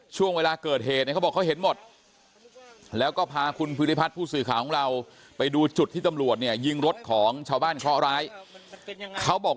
ช่วงเวลาเกิดเหตุเนี้ยเขาบอกเขาเห็นหมดแล้วก็พาคุณภูริพัฒน์ผู้สื่อข่าวของเรา